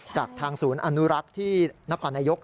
จากทางศูนย์อนุรักษ์ที่นครนายก